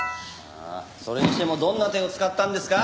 それにしてもどんな手を使ったんですか？